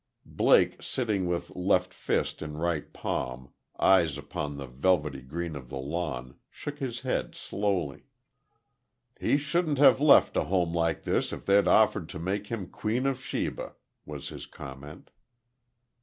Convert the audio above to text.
Blake, sitting with left fist in right palm, eyes upon the velvety green of the lawn, shook his head, slowly. "He shouldn't have left a home like this if they'd offered to make him Queen of Sheba," was his comment.